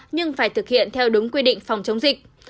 nhưng phải thực hiện theo đúng quy định phòng chống dịch